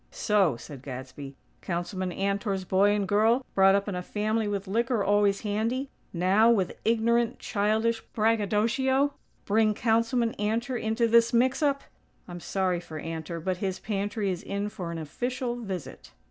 "So," said Gadsby, "Councilman Antor's boy and girl, brought up in a family with liquor always handy, now, with ignorant, childish braggadocio, bring Councilman Antor into this mix up! I'm sorry for Antor; but his pantry is in for an official visit."